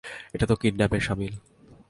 এটা তো কিডন্যাপের সামিল!